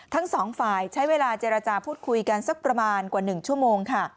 ทั้งสองฝ่ายใช้เวลาเจรจาพูดคุยกันสักประมาณกว่า๑ชั่วโมงค่ะ